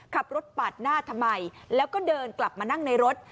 ขับรถปาดหน้าทำไมแล้วก็เดินกลับมานั่งในรถ